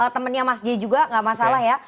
temennya mas j juga nggak masalah ya